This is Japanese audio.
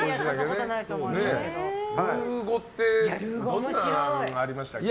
ルー語ってどんなのがありましたっけ。